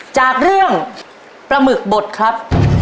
จากเรื่องปลาหมึกบดครับ